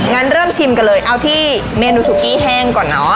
งั้นเริ่มชิมกันเลยเอาที่เมนูสุกี้แห้งก่อนเนอะ